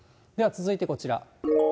では続いてこちら。